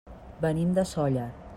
Venim de Sóller.